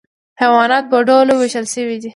حیوانات په دوه ډلو ویشل شوي دي